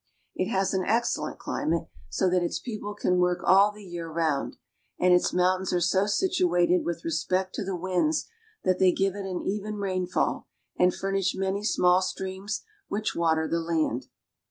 It has an excellent climate, so that its people can work all the year round ; and its mountains are so situated with respect to the winds that they give it an even rainfall, and furnish many small streams which water the land.